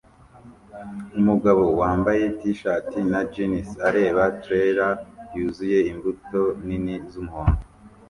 Umugabo wambaye t-shirt na jeans areba trailer yuzuye imbuto nini z'umuhondo